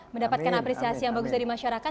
mendapatkan apresiasi yang bagus dari masyarakat